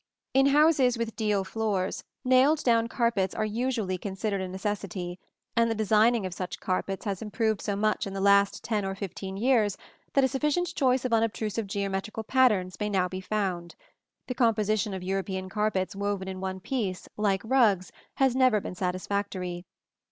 ] In houses with deal floors, nailed down carpets are usually considered a necessity, and the designing of such carpets has improved so much in the last ten or fifteen years that a sufficient choice of unobtrusive geometrical patterns may now be found. The composition of European carpets woven in one piece, like rugs, has never been satisfactory.